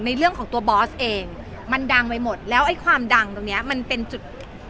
เรื่องของตัวบอสเองมันดังไปหมดแล้วไอ้ความดังตรงเนี้ยมันเป็นจุด